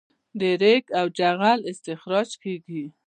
د ریګ او جغل استخراج کیږي